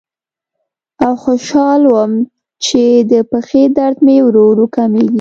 او خوشاله وم چې د پښې درد مې ورو ورو کمیږي.